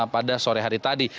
pada sore hari tadi